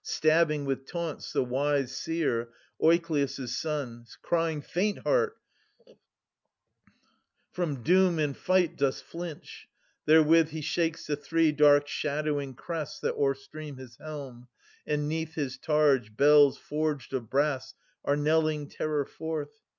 Stabbing with taunts the wise seer, Oikleus* son. Crying, * Faint heart, from doom and fight dost flinch !» Therewith he shakes the three dark shadowing crests That overstream his helm : and 'neath his targe Bells forged of brass are knelling terror forth.